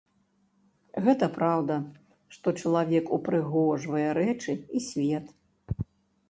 Гэта праўда, што чалавек упрыгожвае рэчы і свет.